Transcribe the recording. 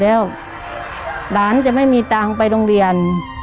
แล้วหลานจะไม่มีตังค์ไปโรงเรียน